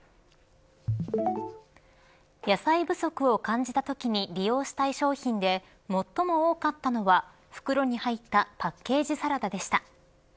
野菜不足を感じたときに利用したい商品で最も多かったのは袋に入ったパッケージサラダでした。